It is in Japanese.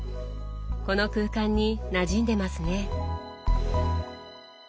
この空間になじんでますね。